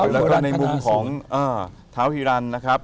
แล้วก็ในมุมของเท้าฮิรันนะครับ